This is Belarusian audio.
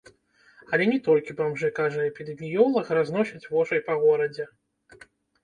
Але не толькі бамжы, кажа эпідэміёлаг, разносяць вошай па горадзе.